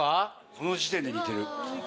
この時点で似てる。